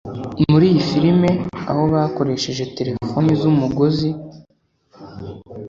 Muri iyi filime aho bakoresheje telefoni z’umugozi